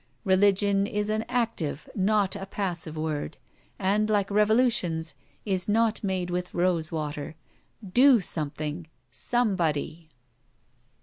Religion is an active, not a passive, word; and, like revolutions, is not made with rose water. Do something, somebody!